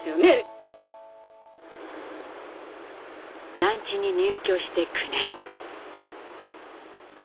団地に入居して９年。